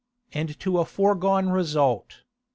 And to a foregone result.